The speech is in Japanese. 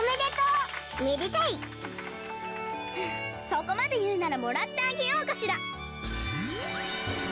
そこまでいうならもらってあげようかしら。